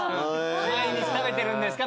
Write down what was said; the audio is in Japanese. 毎日食べてるんですか？